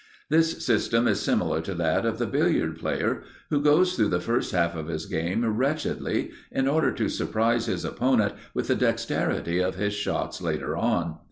This system is similar to that of the billiard player who goes through the first half of his game wretchedly in order to surprise his opponent with the dexterity of his shots later on.